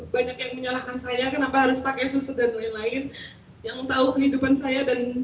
banyak yang menyalahkan saya kenapa harus pakai susu dan lain lain yang tahu kehidupan saya dan